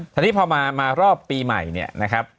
ทีนี้พอมารอบปีใหม่เนี่ยนะครับ